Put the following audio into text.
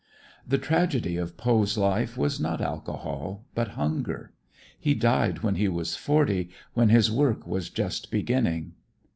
The tragedy of Poe's life was not alcohol, but hunger. He died when he was forty, when his work was just beginning.